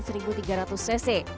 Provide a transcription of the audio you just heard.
dengan warna dua ratus cc